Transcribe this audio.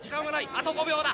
あと５秒だ！